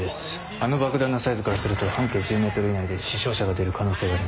あの爆弾のサイズからすると半径１０ｍ以内で死傷者が出る可能性があります。